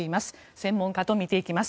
専門家と見ていきます。